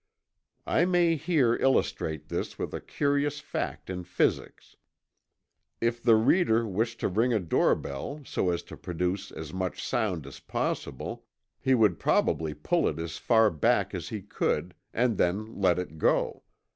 I may here illustrate this with a curious fact in physics. If the reader wished to ring a doorbell so as to produce as much sound as possible, he would probably pull it as far back as he could, and then let it go.